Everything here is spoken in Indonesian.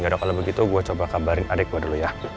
yaudah kalau begitu gue coba kabarin adik gue dulu ya